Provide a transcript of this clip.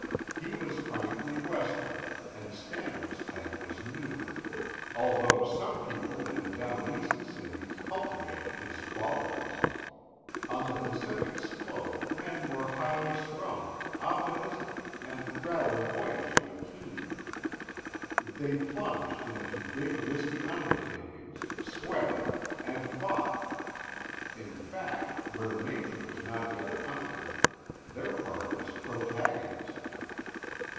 He was frankly Western and Stannard's type was new, although some people in down East cities cultivated his qualities. On the Pacific slope, men were highly strung, optimistic, and rather boyishly keen. They plunged into big risky undertakings, sweated, and fought. In fact, where Nature was not yet conquered, their part was protagonist.